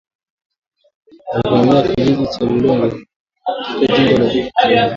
walivamia kijiji cha Bulongo katika jimbo la Kivu kaskazini